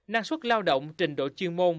năng suất lao động trình độ chuyên